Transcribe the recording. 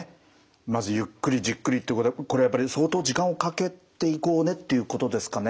まず「ゆっくりじっくり」ってことはこれはやっぱり相当時間をかけていこうねっていうことですかね。